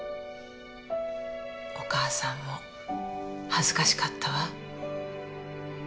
お母さんも恥ずかしかったわ。